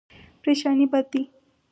پریشاني بد دی.